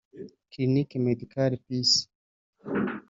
Clinique Medicale Peace